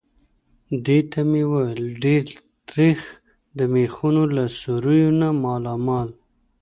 دې ته مې وویل: ډېر تریخ. د مېخونو له سوریو نه مالامال.